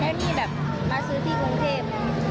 แล้วนี่แบบมาซื้อที่กรุงเทพ